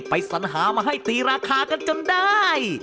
สัญหามาให้ตีราคากันจนได้